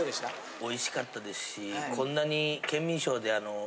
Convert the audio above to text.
おいしかったですしこんなに。